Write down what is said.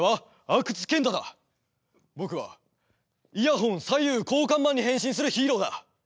僕はイヤホン左右交換マンに変身するヒーローだ！